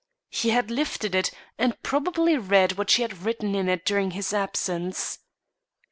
He had lifted it, and probably read what she had written in it during his absence.